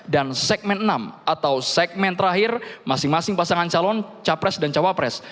dan segmen enam atau segmen terakhir masing masing pasangan calon capres dan cawapres